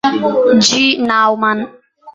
G. Naumann.